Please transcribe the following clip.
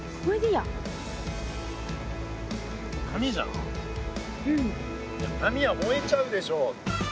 いや紙は燃えちゃうでしょ。